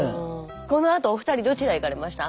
このあとお二人どちらへ行かれました？